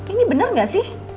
ini bener gak sih